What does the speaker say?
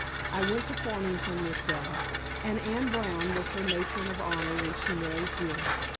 I went to Farmington with Bella, and Anne Brown was her matron of honor when she married Jim.